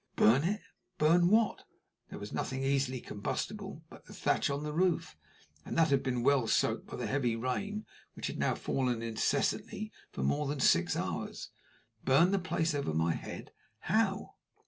Burn it? Burn what? There was nothing easily combustible but the thatch on the roof; and that had been well soaked by the heavy rain which had now fallen incessantly for more than six hours. Burn the place over my head? How?